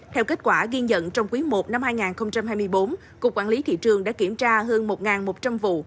theo kết quả ghiên nhận trong quý i năm hai nghìn hai mươi bốn cục quản lý thị trường đã kiểm tra hơn một một trăm linh vụ